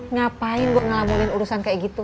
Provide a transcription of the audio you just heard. ngapain gue ngelamoin urusan kayak gitu